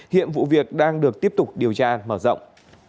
hiện vụ việc đang được tiếp tục điều tra mở rộng